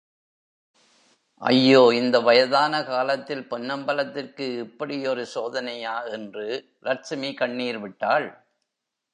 ஐயோ இந்த வயதான காலத்தில் பொன்னம்பலத்திற்கு இப்படியொரு சோதனையா? என்று லட்சுமி கண்ணீர் விட்டாள்.